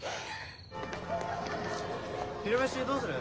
昼飯どうする？